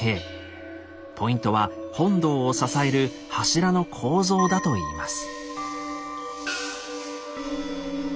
ポイントは本堂を支える「柱の構造」だといいます。